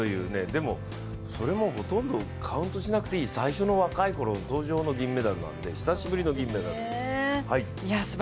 でも、それもほとんどカウントしなくていい最初の若い頃、登場の銀メダルなので、久しぶりの銀メダルです。